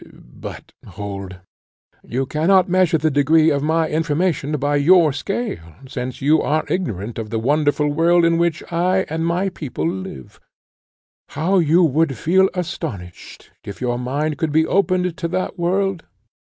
But hold! You cannot measure the degree of my information by your scale, since you are ignorant of the wonderful world in which I and my people live. How would you feel astonished if your mind could be opened to that world!